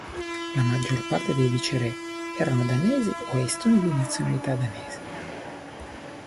La maggior parte dei viceré erano danesi o estoni di nazionalità danese.